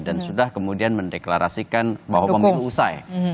dan sudah kemudian mendeklarasikan bahwa pemilu usai